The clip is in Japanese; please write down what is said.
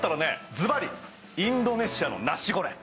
ずばりインドネシアのナシゴレン！